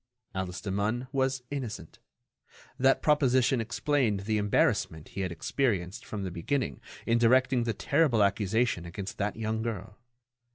Alice Demun was innocent. That proposition explained the embarrassment he had experienced from the beginning in directing the terrible accusation against that young girl.